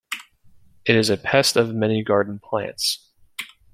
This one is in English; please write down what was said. It is a pest of many garden plants.